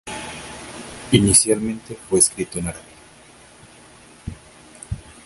Inicialmente fue escrito en árabe.